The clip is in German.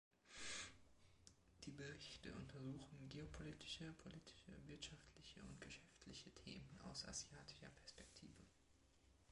Die Berichte untersuchen geopolitische, politische, wirtschaftliche und geschäftliche Themen aus asiatischer Perspektive.